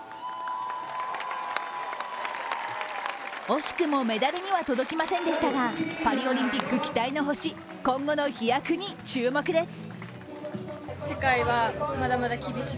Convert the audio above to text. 惜しくもメダルには届きませんでしたが、パリオリンピックの期待の星、今後の飛躍に注目です。